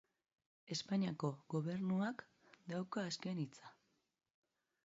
Espainiako Gobernuak dauka azken hitza.